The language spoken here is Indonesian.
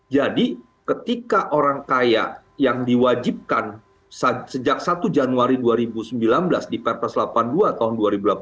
jadi ketika orang kaya yang diwajibkan sejak satu januari dua ribu sembilan belas di pprs delapan puluh dua tahun dua ribu delapan belas